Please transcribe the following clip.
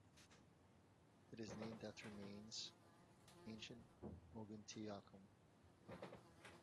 It is named after Mainz, ancient "Moguntiacum".